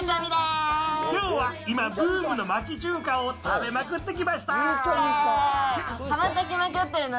きょうは今、ブームの町中華を食べまくってきました。